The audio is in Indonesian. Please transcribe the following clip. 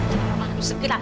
jadi mama harus segera